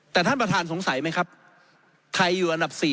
แต่ท่านประธานสงสัยไหมครับไทยอยู่อันดับ๔